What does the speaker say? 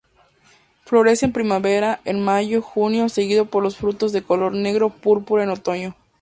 Florece en primavera, en mayo-junio, seguido por los frutos de color negro-púrpura en otoño.